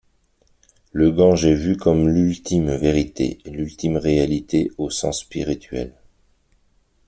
Le Gange est vu comme l'ultime vérité, l'ultime réalité au sens spirituel.